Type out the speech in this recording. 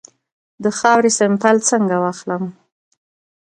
د خاورې سمپل څنګه واخلم؟